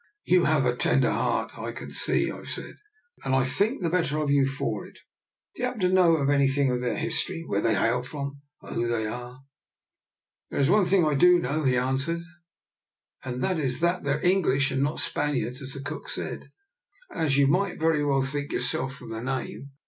You have a tender heart, I can see," I said, "and I think the better of you for it. Do you happen to know anything of their history — ^where they hail from or who they are? " "There is one thing I do know," he an swered, " and that is that they're English and not Spaniards, as the cook said, and as you might very well think yourself from the name.